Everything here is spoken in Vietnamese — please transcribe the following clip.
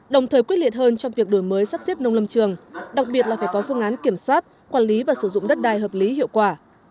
đồng thời quyết liệt hơn trong việc đổi mới sắp xếp nông lâm trường đặc biệt là phải có phương án kiểm soát quản lý và sử dụng đất đai hợp lý hiệu quả